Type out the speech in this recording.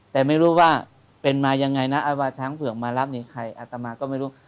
แต่ไม่รู้ว่าเป็นมายังไงนะอาวาช้างเผือกมารับนี่ใครอัตมาก็ไม่รู้